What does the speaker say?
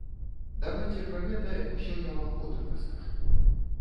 Давайце пра гэта ўсё я вам потым раскажу.